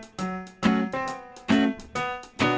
สปาเกตตี้ปลาทู